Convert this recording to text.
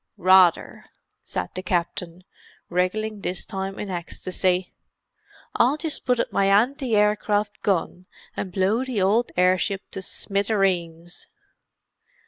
"Rather!" said the Captain, wriggling this time in ecstasy. "I'll just put up my anti aircraft gun and blow the old airship to smithereens."